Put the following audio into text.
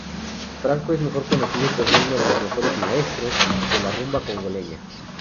Franco es mejor conocido por ser uno de los "maestros" de la rumba congoleña.